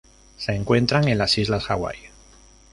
Se encuentran en las Islas Hawaii